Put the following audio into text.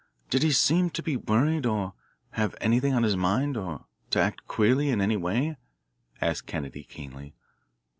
"Did he seem to be worried, to have anything on his mind, to act queerly in any way?" asked Kennedy keenly.